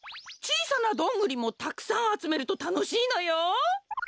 ちいさなどんぐりもたくさんあつめるとたのしいのよ！